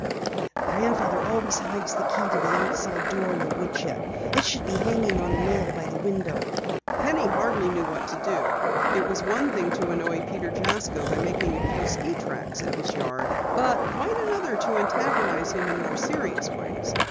"Grandfather always hides the key to the outside door in the woodshed. It should be hanging on a nail by the window." Penny hardly knew what to do. It was one thing to annoy Peter Jasko by making a few ski tracks in his yard, but quite another to antagonize him in more serious ways.